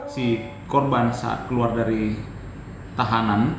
si korban saat keluar dari tahanan